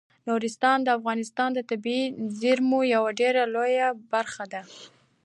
نورستان د افغانستان د طبیعي زیرمو یوه ډیره لویه برخه ده.